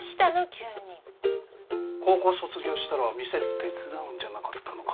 急に高校卒業したら店手伝うんじゃなかったのか？